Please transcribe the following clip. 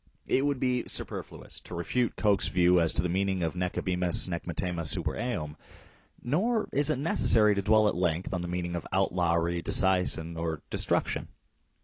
It would be superfluous to refute Coke's view as to the meaning of "nee ibimus nee mittemus super eum ". Nor is it necessary to dwell at length on the meaning of outlawry, disseisin, or destruction.